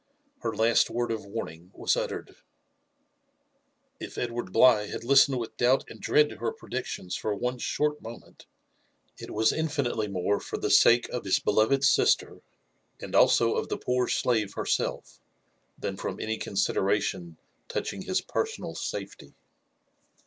Her last word of warning was uttered. If Edward Bligh had listened with doubt and dread to her predic tions for one short moment, it was infinitely more for the sake of his JONATHAN JEFFERSON WHTTIAW. 71 beloved lister, and alfo of the poor slaye henelf , than from any con sideration touching his personal safety.